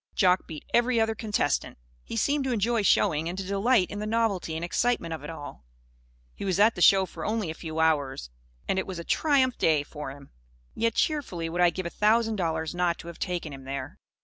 Jock beat every other contestant. He seemed to enjoy showing and to delight in the novelty and excitement of it all. He was at the show for only a few hours; and it was a triumph day for him. Yet cheerfully would I give a thousand dollars not to have taken him there.